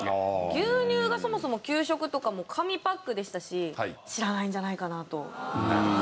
牛乳がそもそも給食とかも紙パックでしたし知らないんじゃないかなと。